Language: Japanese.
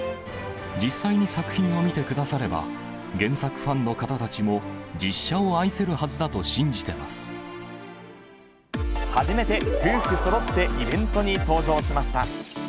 実際に作品を見てくだされば原作ファンの方たちも実写を愛せるは初めて夫婦そろってイベントに登場しました。